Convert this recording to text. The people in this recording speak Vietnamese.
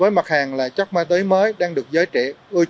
với mặt hàng là chất ma túy mới đang được giới trị